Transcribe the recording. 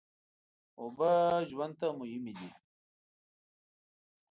اوبه ژوند ته مهمې دي.